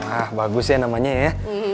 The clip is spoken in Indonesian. ah bagus ya namanya ya